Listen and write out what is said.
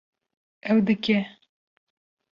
Ew dike